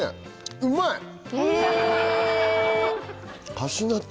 うまいね